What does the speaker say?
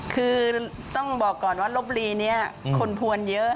คือต้องบอกก่อนว่าลบลีนี้คนพวนเยอะ